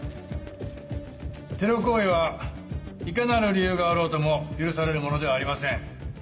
テロ行為はいかなる理由があろうとも許されるものではありません。